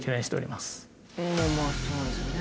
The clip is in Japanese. まあまあそうですよね。